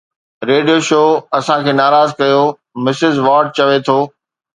radio show اسان کي ناراض ڪيو، مسز وارڊ چوي ٿو